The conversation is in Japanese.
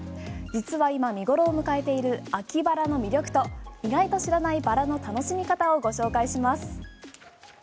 今、見頃を迎えている秋バラの魅力と意外と知らないバラの楽しみ方をご紹介します。